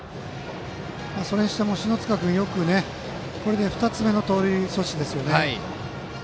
それにしても篠塚君はこれで２つ目の盗塁阻止ですよね。